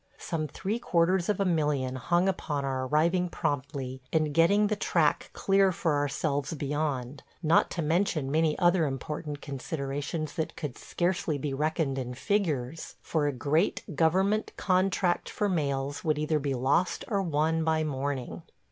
Some three quarters of a million hung upon our arriving promptly and getting the track clear for ourselves beyond, not to mention many other important considerations that could scarcely be reckoned in figures; for a great government contract for mails would be either lost or won by morning.